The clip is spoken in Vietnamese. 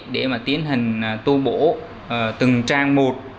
để mà tiến hình tu bổ từng trang một